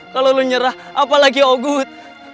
kalo lu nyerah apalagi ogut